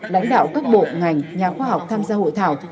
lãnh đạo các bộ ngành nhà khoa học tham gia hội thảo